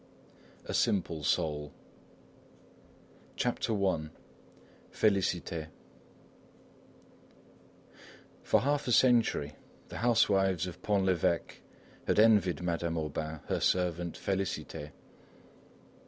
A SIMPLE SOUL CHAPTER I FÉLICITÉ For half a century the housewives of Pont l'Evêque had envied Madame Aubain her servant Félicité.